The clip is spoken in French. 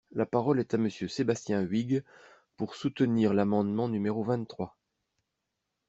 La parole est à Monsieur Sébastien Huyghe, pour soutenir l’amendement numéro vingt-trois.